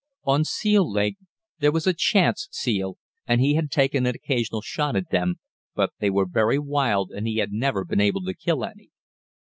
On Seal Lake there was a "chance" seal, and he had taken an occasional shot at them, but they were very wild and he had never been able to kill any.